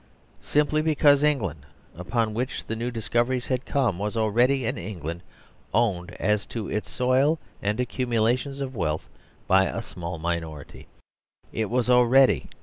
Simply because the England upon which the new discoveries had come was already an England owned as to its soil and ac cumulations of wealth by a small minority : it was already&n.